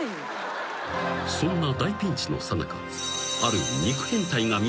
［そんな大ピンチのさなかある］